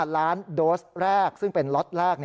ล้านโดสแรกซึ่งเป็นล็อตแรก